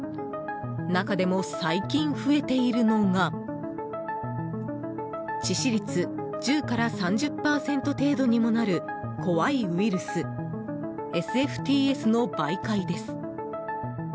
中でも最近増えているのが致死率１０から３０％程度にもなる怖いウイルスＳＦＴＳの媒介です。